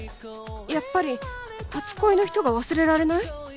やっぱり初恋の人が忘れられない？